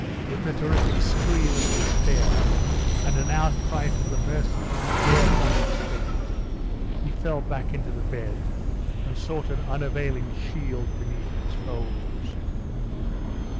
With a terrific scream of despair, and an outcry for the mercy he dared not expect, he fell back into the bed and sought an unavailing shield beneath its folds.